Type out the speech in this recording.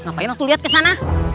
ngapain waktu lihat ke sana